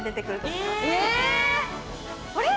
あれ？